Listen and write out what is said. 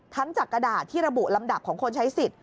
จากกระดาษที่ระบุลำดับของคนใช้สิทธิ